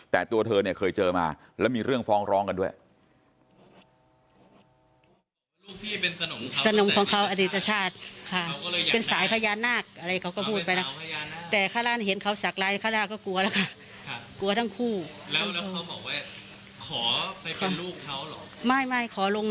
แต่ตัวเธอเนี่ยเคยเจอมาแล้วมีเรื่องฟ้องร้องกันด้วย